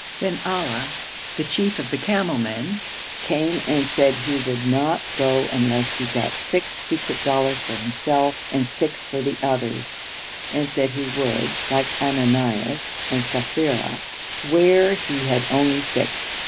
Then Ali, the chief of the camel men, came and said he would not go unless he got six secret dollars for himself and six for the others, and said he would (like Ananias and Sapphira) swear he had only six.